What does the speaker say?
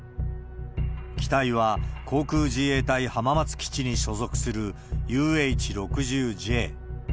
機体は航空自衛隊浜松基地に所属する、ＵＨ６０Ｊ。